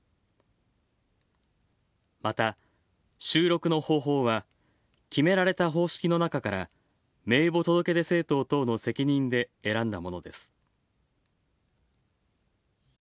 また、収録の方法は決められた方式の中から名簿届出政党等の責任で選んだものです。